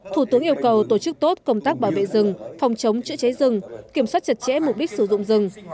thủ tướng yêu cầu tổ chức tốt công tác bảo vệ rừng phòng chống chữa cháy rừng kiểm soát chặt chẽ mục đích sử dụng rừng